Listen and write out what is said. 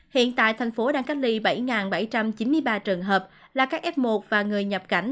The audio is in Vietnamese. hiện tại thành phố đang cách ly bảy bảy trăm chín mươi ba trường hợp là các f một và người nhập cảnh